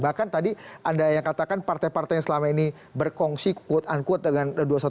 bahkan tadi anda yang katakan partai partai yang selama ini berkongsi quote unquote dengan dua ratus dua belas